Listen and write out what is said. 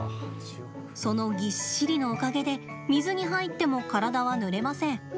そのぎっしりのおかげで水に入っても体は、ぬれません。